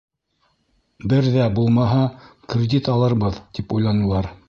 Бер ҙә булмаһа, кредит алырбыҙ, тип уйланылар.